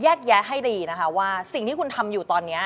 แยะให้ดีนะคะว่าสิ่งที่คุณทำอยู่ตอนนี้